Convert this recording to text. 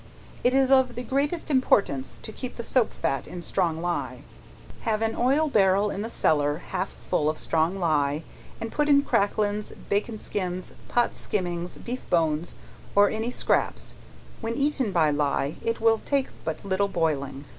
It is of the greatest importance to keep the soap fat in strong ley. Have an oil barrel in the cellar, half full of strong ley, and put in cracklings, bacon skins, pot skimmings, beef bones, or any scraps, when eaten by ley it will take but little boiling.